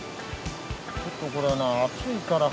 ちょっとこれな熱いから。